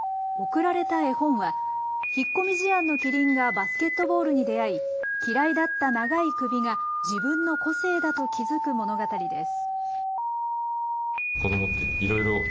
贈られた絵本は引っ込み思案のキリンがバスケットボールに出会い、嫌いだった長い首が自分の個性だと気付く物語です。